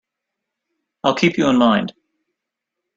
I'll keep you in mind.